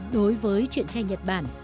đối với truyện tranh nhật bản